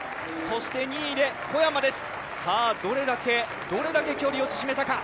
２位で小山です、どれだけ距離を縮めたか。